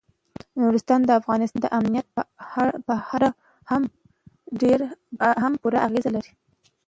نورستان د افغانستان د امنیت په اړه هم پوره اغېز لري.